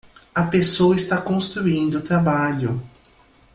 A pessoa está construindo o trabalho.